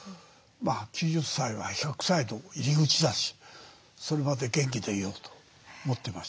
９０歳は１００歳の入り口だしそれまで元気でいようと思ってました。